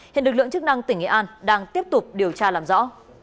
hiện lực lượng chức năng tỉnh nghệ an đang tiếp tục điều tra làm rõ